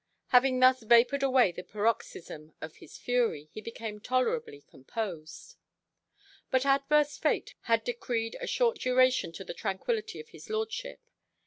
Having thus vapoured away the paroxysm of his fury, he became tolerably composed. But adverse fate had decreed a short duration to the tranquility of his lordship.